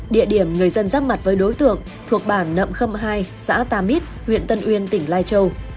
địa điểm người dân giáp mặt với đối tượng thuộc bản nậm khâm hai xã tà mít huyện tân uyên tỉnh lai châu